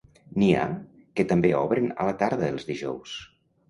N'hi ha que també obren a la tarda els dijous.